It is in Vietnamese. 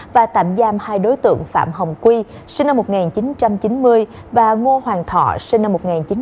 và tạm giam hai đối tượng phạm hồng quy sinh năm một nghìn chín trăm chín mươi và ngô hoàng thọ sinh năm một nghìn chín trăm chín mươi